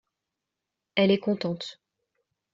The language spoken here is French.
Elle est contente.